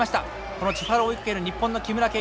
このチュファロウを追いかける日本の木村敬